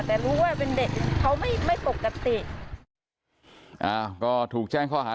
แต่รู้ว่าเป็นเด็กเขาไม่ไม่ปกติอ่าก็ถูกแจ้งข้อหา